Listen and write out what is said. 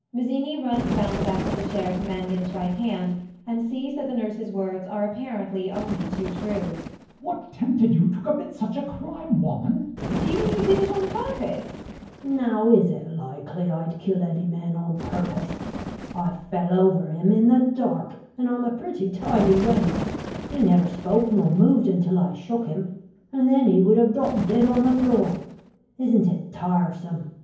Mazzini runs round the back of the chair to Mangan's right hand, and sees that the nurse's words are apparently only too true. MAZZINI. What tempted you to commit such a crime, woman? MRS HUSHABYE [trying not to laugh]. Do you mean, you did it on purpose? GUINNESS. Now is it likely I'd kill any man on purpose? I fell over him in the dark; and I'm a pretty tidy weight. He never spoke nor moved until I shook him; and then he would have dropped dead on the floor. Isn't it tiresome?